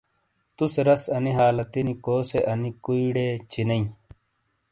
توسے رس انی حالتی نی کوسے انی کویئ ڑے چینئ۔